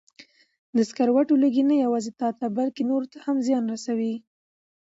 د سګرټو لوګی نه یوازې تاته بلکې نورو ته هم زیان رسوي.